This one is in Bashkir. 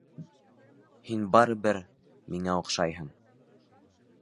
Һин барыбер... миңә оҡшайһың.